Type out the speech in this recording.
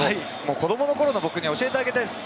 子どもの頃の僕に教えてあげたいです。